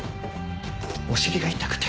お尻が痛くて。